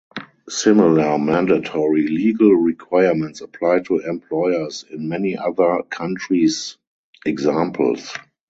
Similar mandatory legal requirements apply to employers in many other countries (examples).